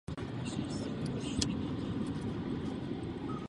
Taktéž publikoval několik teoretických článků o hře na varhany v hudebních časopisech.